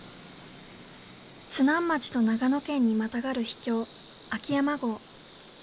津南町と長野県にまたがる秘境秋山郷。